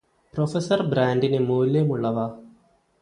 professor ബ്രാൻഡിന് മുല്യമുള്ളവ